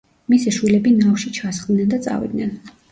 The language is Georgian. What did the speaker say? მისი შვილები ნავში ჩასხდნენ და წავიდნენ.